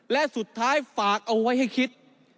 และสุดท้ายฝากเอาไว้ให้คิด